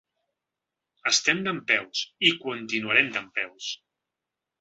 Estem dempeus, i continuarem dempeus.